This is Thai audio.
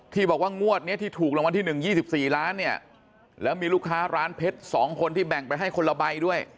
บอกว่างวดนี้ที่ถูกรางวัลที่๑๒๔ล้านเนี่ยแล้วมีลูกค้าร้านเพชร๒คนที่แบ่งไปให้คนละใบด้วย